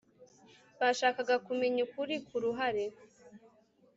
Bashakaga kumenya ukuri ku ruhare